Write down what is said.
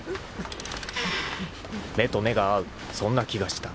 ［目と目が合うそんな気がした］